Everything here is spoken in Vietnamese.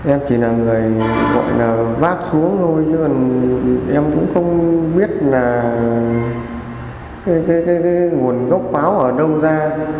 em chỉ là người gọi là vác xuống thôi em cũng không biết là cái nguồn gốc báo ở đâu ra